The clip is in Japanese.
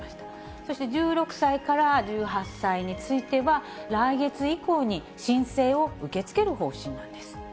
そして１６歳から１８歳については、来月以降に申請を受け付ける方針なんです。